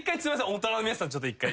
大人の皆さんちょっと一回。